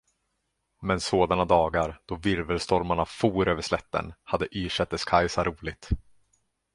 Men sådana dagar, då virvelstormarna for över slätten, hade Ysätters-Kajsa roligt.